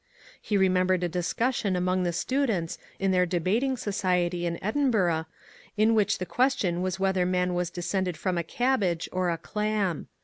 He remembered a discussion among the students in their debating society in Edinburgh in which the question was whether man was descended from a cabbage or a clam.